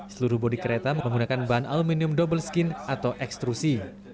seluruh bodi kereta menggunakan bahan aluminium double skin atau ekstrusi